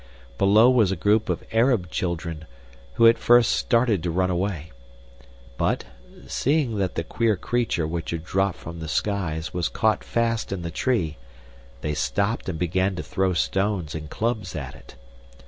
Below was a group of Arab children, who at first started to run away. But, seeing that the queer creature which had dropped from the skies was caught fast in the tree, they stopped and began to throw stones and clubs at it.